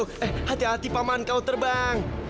he hati hati paman kau terbang